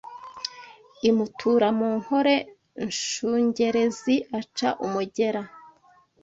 Imutura mu Nkole Nshungerezi aca umugera